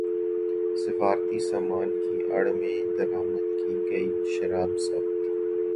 سفارتی سامان کی اڑ میں درامد کی گئی شراب ضبط